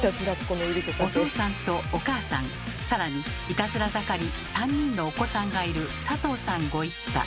お父さんとお母さんさらにいたずら盛り３人のお子さんがいる佐藤さんご一家。